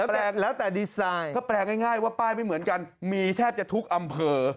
เพราะแปลงง่ายว่าป้ายไม่เหมือนกันมีแทบจะทุกอำเภอ